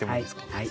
はい。